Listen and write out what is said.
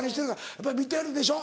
やっぱり見てるでしょ